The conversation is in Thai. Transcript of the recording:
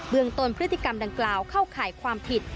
ตนพฤติกรรมดังกล่าวเข้าข่ายความผิด